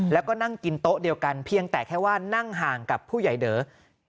แล้วก็นั่งกินโต๊ะเดียวกันเพียงแต่แค่ว่านั่งห่างกับผู้ใหญ่เด๋อ